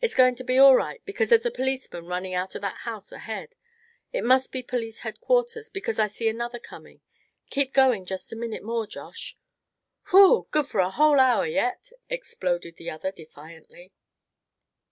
"It's going to be all right, because there's a policeman running out of that house ahead. It must be police headquarters, because I see another coming. Keep going just a minute more, Josh!" "Whoo! good for a whole hour yet!" exploded the other, defiantly.